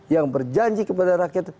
yang berjanji kepada rakyat